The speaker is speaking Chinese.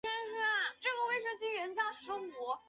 光柄野青茅为禾本科野青茅属下的一个种。